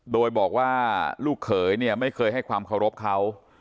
โดยบอกว่าลูกเขยเนี่ยไม่เคยให้ความเคารพเขา